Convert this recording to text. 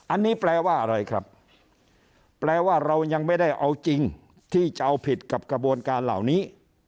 อันนี้แปลว่าอะไรครับแปลว่าเรายังไม่ได้เอาจริงที่จะเอาผิดกับกระบวนการเหล่านี้